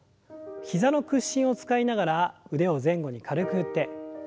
膝の屈伸を使いながら腕を前後に軽く振って。